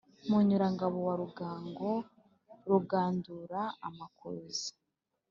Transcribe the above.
munyurangabo wa rugango, rugandura amakuza,